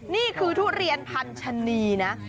นี่คือทุเรียนพันธ์ชะนีนะ